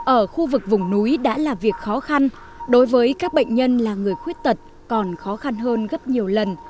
ở khu vực vùng núi đã là việc khó khăn đối với các bệnh nhân là người khuyết tật còn khó khăn hơn gấp nhiều lần